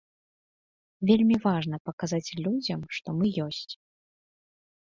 Вельмі важна паказаць людзям, што мы ёсць.